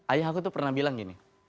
ayah aku tuh pernah bilang gini